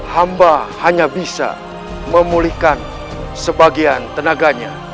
hamba hanya bisa memulihkan sebagian tenaganya